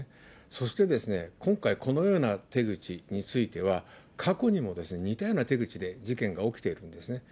そしてですね、今回このような手口については、過去にも似たような手口で事件が起きているんですね。